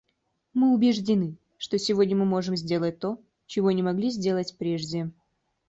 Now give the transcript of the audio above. Мы убеждены, что сегодня мы можем сделать то, чего не могли сделать прежде.